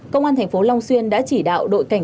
công an thành phố long xuyên đã chỉ đạo đội cảnh